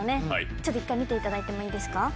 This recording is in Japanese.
ちょっと一回見ていただいてもいいですか？